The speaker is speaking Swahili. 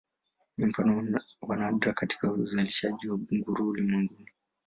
Ni mfano wa nadra katika uzalishaji wa nguruwe ulimwenguni.